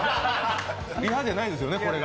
リハじゃないですよね、これが。